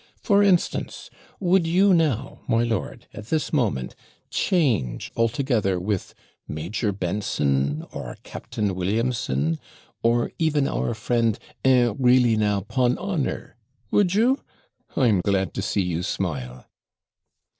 For instance, would you now, my lord, at this moment change altogether with Major Benson, or Captain Williamson, or even our friend, 'Eh, really now, "pon honour" would you! I'm glad to see you smile.'